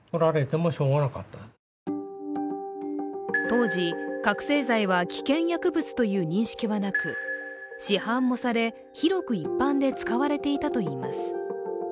当時、覚醒剤は危険薬物という認識はなく市販もされ広く一般で使われていたといいます。